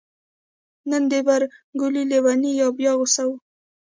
نن د بر کلي لیونی بیا غوسه و